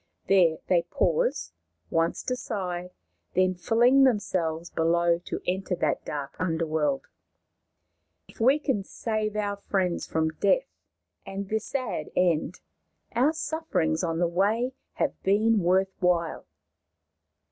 There they pause once to sigh, then fling themselves below to enter that dark underworld. If we can save our friends from death and this sad end, our sufferings on the way have been worth while."